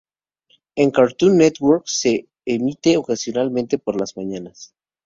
En Cartoon Network se emite ocasionalmente por las mañanas.